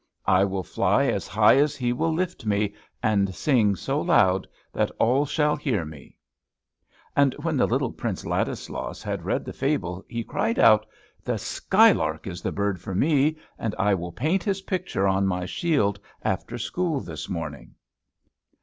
I will fly as high as He will lift me, and sing so loud that all shall hear me." And when the little Prince Ladislaus had read the fable, he cried out, "The sky lark is the bird for me, and I will paint his picture on my shield after school this morning."